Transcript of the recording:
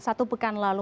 satu pekan lalu